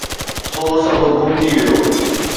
سو سڀ گم ٿي ويو.